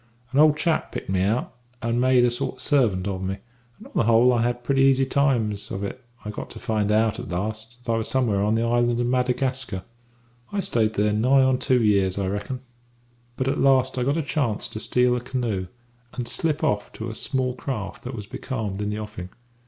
An old chap picked me out, and made a sort of servant of me, and, on the whole, I had pretty easy times of it I got to find out, at last, that I was somewhere on the island of Madagascar. "I stayed here nigh on two years, I reckon; but at last I got a chance to steal a canoe and slip off to a small craft that was becalmed in the offing.